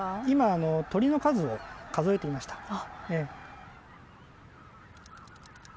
今あの鳥の数を数えてました。